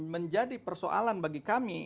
menjadi persoalan bagi kami